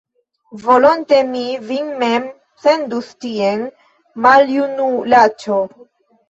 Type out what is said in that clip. Volonte mi vin mem sendus tien, maljunulaĉo!